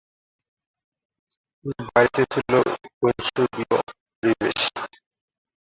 কিন্তু বাড়িতে ছিল বৈষ্ণবীয় পরিবেশ।